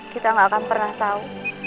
kita gak akan pernah tahu